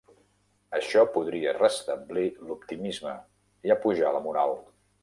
Això podria restablir l'optimisme i apujar la moral.